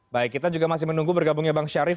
baik kita juga masih menunggu bergabungnya bang syarif